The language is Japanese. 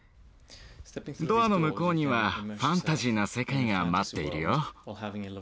ドアの向こうにはファンタジーな世界が待っているよ。